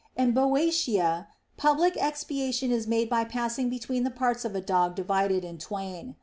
In Boeotia public expiation is made by passing between the parts of a dog divided in twain.